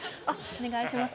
お願いします。